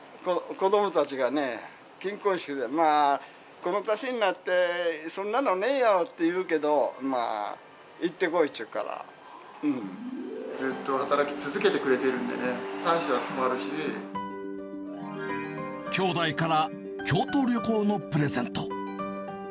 子どもたちがね、金婚式で、まあ、この年になってそんなのねえよっていうけど、行ってこいっていうずっと働き続けてくれてるん兄弟から京都旅行のプレゼント。